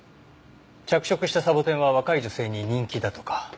着色したサボテンは若い女性に人気だとか。